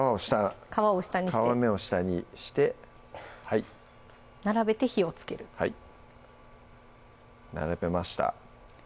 皮を下皮目を下にして並べて火をつけるはい並べました